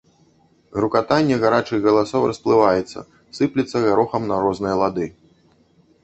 Грукатанне гарачых галасоў расплываецца, сыплецца гарохам на розныя лады.